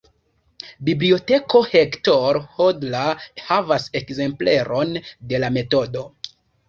Biblioteko Hector Hodler havas ekzempleron de la metodo.